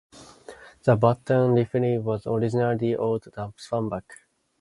The Bataan Refinery was originally owned by Stanvac.